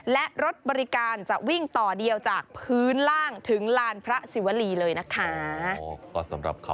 และรถบริการจะวิ่งต่อเดียวจากพื้นล่างถึงลานพระศิวรีเลยนะคะ